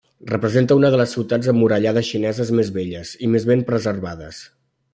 Representa una de les ciutats emmurallades xineses més velles i més ben preservades.